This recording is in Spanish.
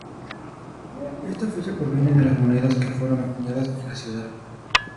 Esta fecha proviene de las monedas que fueron acuñadas en la ciudad.